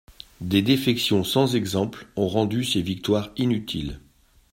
Des défections sans exemple ont rendu ces victoires inutiles.